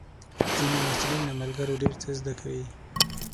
ځینې محصلین له ملګرو ډېر څه زده کوي.